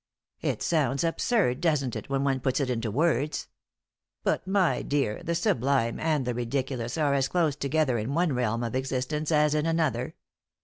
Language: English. It sounds absurd, doesn't it, when one puts it into words? But, my dear, the sublime and the ridiculous are as close together in one realm of existence as in another.